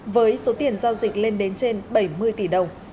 với số tiền giao dịch lên đến trên bảy mươi tỷ đồng